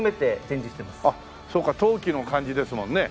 そうか冬季の感じですもんね